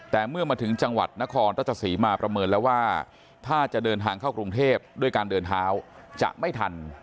แต่เมื่อมาถึงจังหวัดนครราชสีมาประเมินแล้วว่าถ้าจะเดินทางเข้ากรุงเทพด้วยการเดินเท้าจะไม่ทัน